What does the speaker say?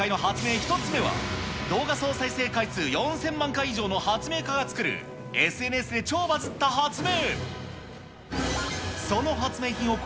１つ目は、動画総再生回数４０００万回以上の発明家が作る、ＳＮＳで超バズった発明。